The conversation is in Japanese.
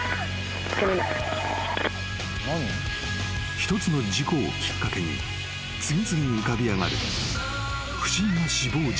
・［一つの事故をきっかけに次々に浮かび上がる］